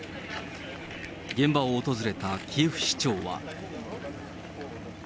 現場を訪れたキエフ市長は。